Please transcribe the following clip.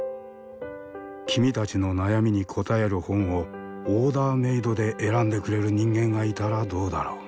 君たちの悩みに答える本をオーダーメードで選んでくれる人間がいたらどうだろう？